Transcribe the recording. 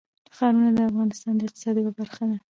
ښارونه د افغانستان د اقتصاد یوه برخه ده.